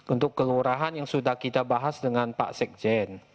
untuk kelurahan yang sudah kita bahas dengan pak sekjen